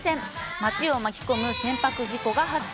街を巻き込む船舶事故が発生。